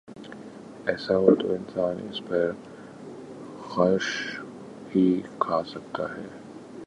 ایسا ہو تو انسان اس پہ غش ہی کھا سکتا ہے۔